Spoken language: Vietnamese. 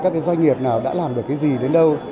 các cái doanh nghiệp nào đã làm được cái gì đến đâu